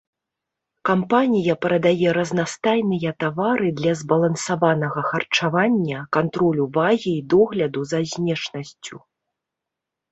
Кампанія прадае разнастайныя тавары для збалансаванага харчавання, кантролю вагі і догляду за знешнасцю.